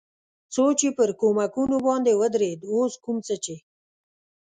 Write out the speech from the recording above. څو چې پر کومکونو باندې ودرېد، اوس کوم څه چې.